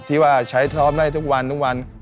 ที่จะไปเล่นทีวัน